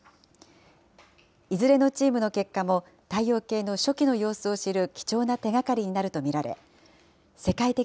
いずれのチームの結果も、太陽系の初期の様子を知る貴重な手がかりになると見られ、世界的